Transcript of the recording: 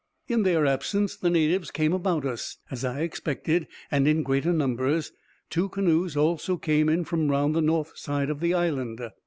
In their absence the natives came about us, as I expected, and in greater numbers; two canoes also came in from round the north side of the island.